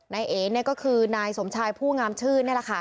นายเอนี่คือนายสมชายผู้งามชื่น